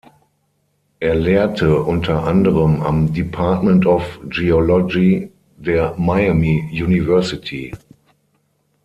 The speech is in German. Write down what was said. Er lehrte unter anderem am "Department of Geology" der Miami University.